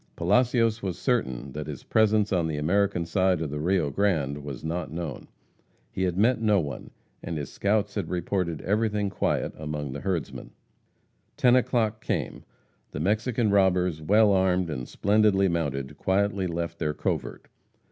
Palacios was certain that his presence on the American side of the Rio Grande was not known. He had met no one, and his scouts had reported everything quiet among the herdsmen. Ten o'clock came. The Mexican robbers, well armed and splendidly mounted, quietly left their covert.